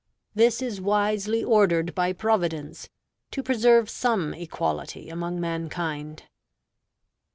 This is wisely ordered by Providence, to preserve some equality among mankind."